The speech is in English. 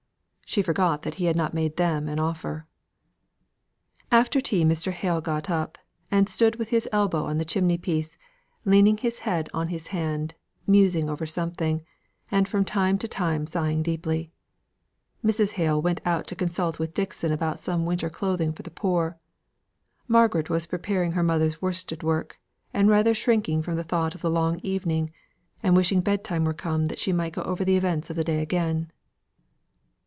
She forgot that he had not made them an offer. After tea Mr. Hale got up, and stood with his elbow on the chimney piece, leaning his head on his hand, musing over something, and from time to time sighing deeply. Mrs. Hale went out to consult with Dixon about some winter clothing for the poor. Margaret was preparing her mother's worsted work, and rather shrinking from the thought of the long evening, and wishing bed time were come that she might go over the events of the day again.